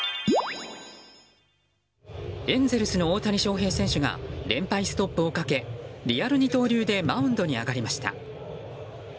エンゼルスの大谷翔平選手が連敗ストップをかけリアル二刀流でマウンドに上がりました。